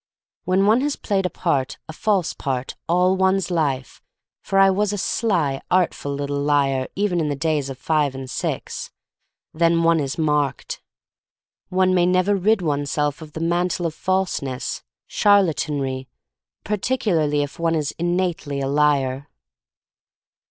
When one has played a part — a false part — all one's life, for I was a sly, art ful little liar even in the days of five and six; then one is marked. One may never rid oneself of the mantle of false ness, charlatanry — particularly if one is innately a liar.